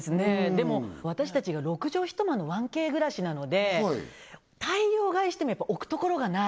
でも私たちが６畳一間の１Ｋ暮らしなので大量買いしても置くところがない